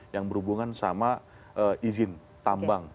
yang berhubungan sama izin tambang